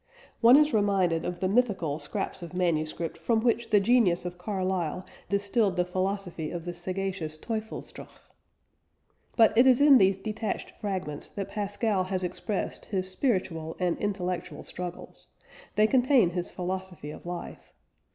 One is reminded of the mythical scraps of manuscript from which the genius of Carlyle distilled the philosophy of the sagacious Teufelsdröch. But it is in these detached fragments that Pascal has expressed his spiritual and intellectual struggles; they contain his philosophy of life.